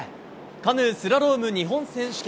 カヌースラローム日本選手権。